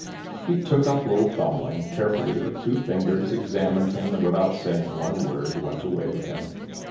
He took up little Thumbling carefully with two fingers, examined him, and without saying one word went away with him.